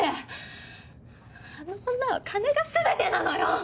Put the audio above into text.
あの女は金が全てなのよ！